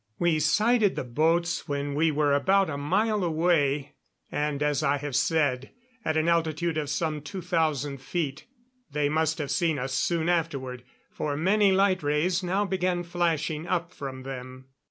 We sighted the boats when we were about a mile away, and, as I have said, at an altitude of some two thousand feet. They must have seen us soon afterward, for many light rays now began flashing up from them.